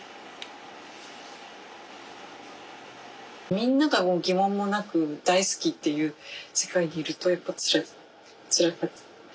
みんなが疑問もなく大好きっていう世界にいるとやっぱつらいつらかった。